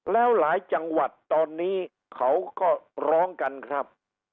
แล้วหลายจังหวัดตอนนี้เขาก็ร้องกันครับ